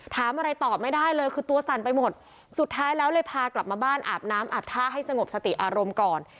ถามอะไรตอบไม่ได้เลยคือตัวสั่นไปหมดสุดท้ายแล้วเลยพากลับมาบ้านอาบน้ำอาบท่าให้สงบสติอารมณ์ก่อน